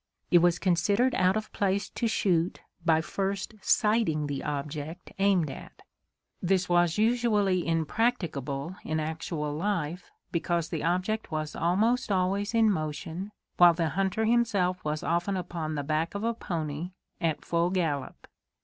It was considered out of place to shoot by first sighting the object aimed at. This was usually impracticable in actual life, because the object was almost always in motion, while the hunter himself was often upon the back of a pony at full gallop.